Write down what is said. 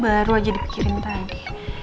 baru aja dipikirin tadi